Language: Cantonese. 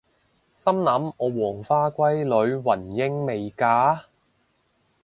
心諗我黃花閨女雲英未嫁！？